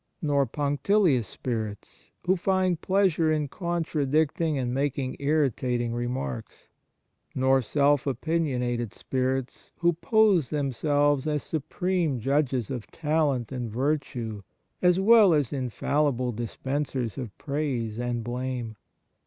nor punctilious spirits, who find pleasure in contradicting and making irritating remarks; nor self opinionated spirits, who pose them selves as supreme judges of talent and virtue as well as infallible dispensers of praise and blame.